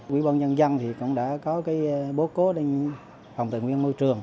quỹ bóng nhân dân thì cũng đã có cái bố cố lên phòng tự nguyên môi trường